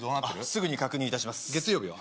すぐに確認いたします月曜日は？